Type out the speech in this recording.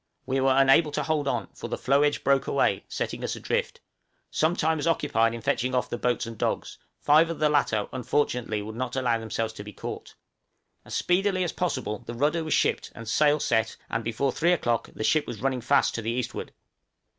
We were unable to hold on, for the floe edge broke away, setting us adrift; some time was occupied in fetching off the boats and dogs, five of the latter unfortunately would not allow themselves to be caught. As speedily as possible the rudder was shipped and sail set, and before three o'clock the ship was running fast to the eastward!